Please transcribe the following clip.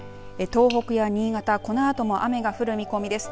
東北や新潟、このあとも雨が降る見込みです。